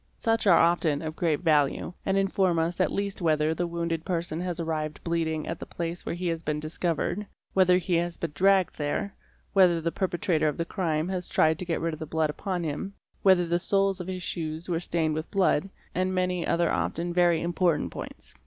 Such are often of great value and inform us at least whether the wounded person has arrived bleeding at the place where he has been _ discovered, whether he has been dragged there, whether the perpetrator | of the crime has tried to get rid of the blood upon him, whether the _ soles of his shoes were stained with blood, and many other often very important points.